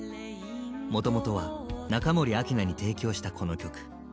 もともとは中森明菜に提供したこの曲。